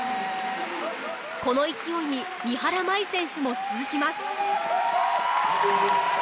この勢いに三原舞依選手も続きます。